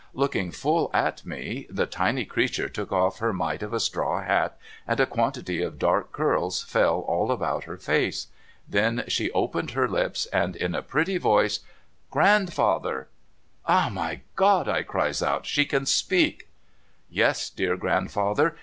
Looking full at me, the tiny creature took off her mite of a straw liat, and a quantity of dark curls fell all about her face. Then she opened her lips, and said in a pretty voice, ' Grandfather !'' Ah, my God !' I cries out. ' She can speak !'' Yes, dear grandfather.